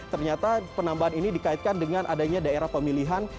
ternyata penambahan ini dikaitkan dengan adanya daerah pemilihan